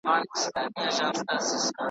نور به لاس تر غاړي پکښی ګرځو بې پروا به سو .